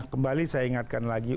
kembali saya ingatkan lagi